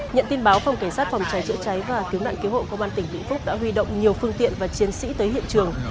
nhận tin báo phòng cảnh sát phòng cháy chữa cháy và cứu nạn cứu hộ công an tỉnh vĩnh phúc đã huy động nhiều phương tiện và chiến sĩ tới hiện trường